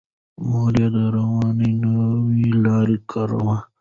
مور یې د روزنې نوې لارې کاروي.